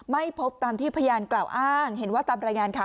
ไม่พบตามที่พยานกล่าวอ้างเห็นว่าตามรายงานข่าว